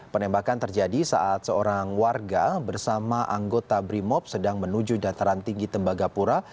penembakan terjadi saat seorang warga bersama anggota brimob sedang menuju dataran tinggi tembagapura